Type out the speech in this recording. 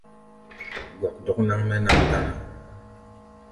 Gɔkdɔk náŋ-mɛ́ náŋ táná.